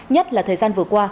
nhất là thời gian vừa qua